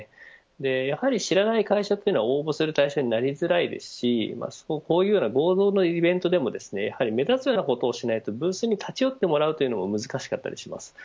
やはり知らない会社は応募する対象になりづらいですしこういう合同イベントでも目立つようなことをしないとブースに立ち寄ってもらうというのも難しかったりします。